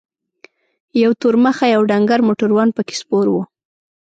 یو تور مخی او ډنګر موټروان پکې سپور و.